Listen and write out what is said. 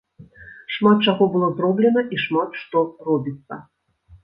Шмат чаго было зроблена, і шмат што робіцца.